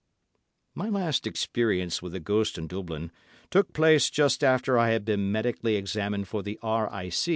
My last experience with a ghost in Dublin took place just after I had been medically examined for the R.I.